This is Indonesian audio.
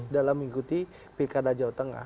dalam mengikuti pilkada jawa tengah